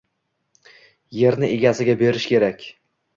Yerni egasiga berish kerak